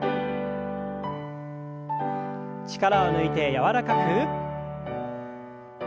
力を抜いて柔らかく。